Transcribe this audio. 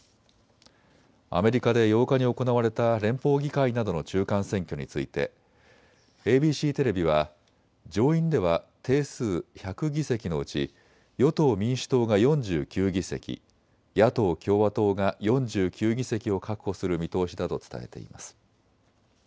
アメリカで８日に行われた連邦議会などの中間選挙についてＡＢＣテレビは上院では定数１００議席のうち与党・民主党が４９議席、野党・共和党が４９議席を確保する見通しだと伝えています。